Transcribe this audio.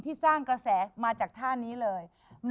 สร้างกระแสมาจากท่านี้เลย